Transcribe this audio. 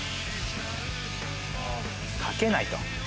かけないと。